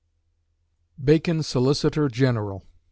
BACON SOLICITOR GENERAL.